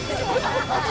ハハハハ！